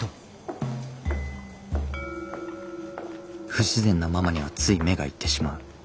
不自然なママにはつい目が行ってしまう。